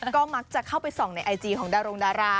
ก็มักจะเข้าไปส่องในไอจีของดารงดารา